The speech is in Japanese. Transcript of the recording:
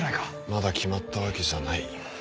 まだ決まったわけじゃない。